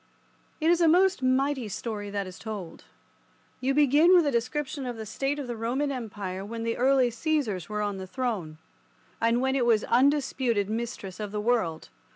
It is a most mighty story that is told. You begin with a description of the state of the Roman Empire when the early Caesars were on the throne, and when it was undisputed mistress of the world.